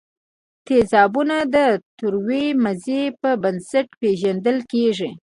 تیزابونه د تروې مزې په بنسټ پیژندل کیږي.